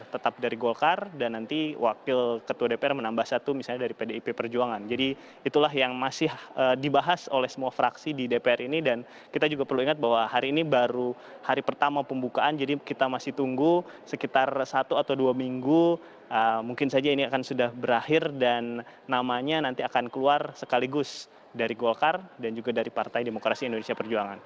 tetap dari golkar dan nanti wakil ketua dpr menambah satu misalnya dari pdip perjuangan jadi itulah yang masih dibahas oleh semua fraksi di dpr ini dan kita juga perlu ingat bahwa hari ini baru hari pertama pembukaan jadi kita masih tunggu sekitar satu atau dua minggu mungkin saja ini akan sudah berakhir dan namanya nanti akan keluar sekaligus dari golkar dan juga dari partai demokrasi indonesia perjuangan